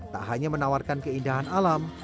tak hanya menawarkan keindahan alam